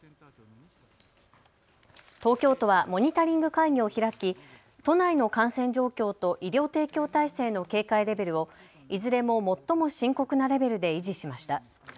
東京都はモニタリング会議を開き都内の感染状況と医療提供体制の警戒レベルをいずれも最も深刻なレベルで維持しました。